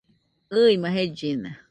ɨɨma jellina